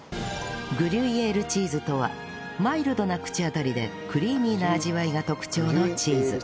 グリュイエールチーズとはマイルドな口当たりでクリーミーな味わいが特徴のチーズ